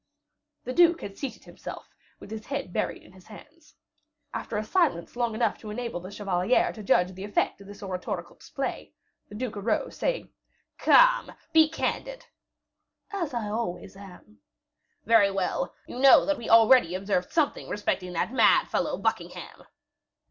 The duke had seated himself, with his head buried in his hands. After a silence long enough to enable the chevalier to judge the effect of this oratorical display, the duke arose, saying, "Come, be candid." "As I always am." "Very well. You know that we already observed something respecting that mad fellow, Buckingham."